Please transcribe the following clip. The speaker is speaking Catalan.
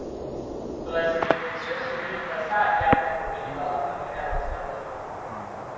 La jurisdicció civil passà aviat al domini de la família dels Cardona.